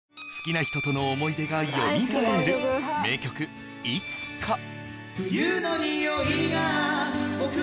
好きな人との思い出がよみがえる名曲「いつか」